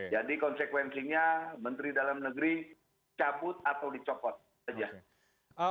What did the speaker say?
jadi konsekuensinya menteri dalam negeri cabut atau dicopot saja